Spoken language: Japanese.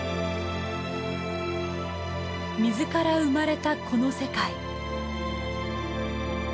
水から生まれたこの世界。